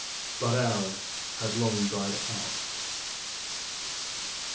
But ours had long died out.